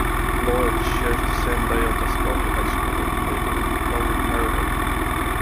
Laurel shares the same layout as Bowie High School, in neighboring Bowie, Maryland.